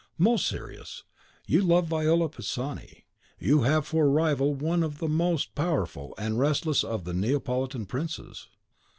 "Most serious. You love Viola Pisani; you have for rival one of the most powerful and relentless of the Neapolitan princes.